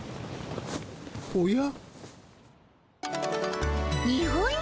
おや？